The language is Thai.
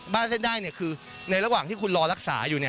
เส้นได้คือในระหว่างที่คุณรอรักษาอยู่